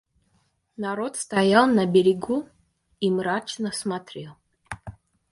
Народ стоял на берегу и мрачно смотрел.